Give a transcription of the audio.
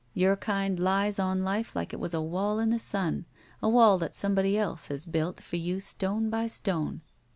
Your kind lies on life like it was a wall in the sun. A wall that somebody else has built for you stone by stone."